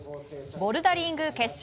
ボルダリング決勝。